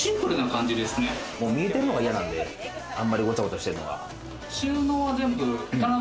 見えてるのが嫌なんで、あんまり、ごちゃごちゃしてるのが。